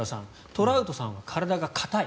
トラウトさんは体が硬い。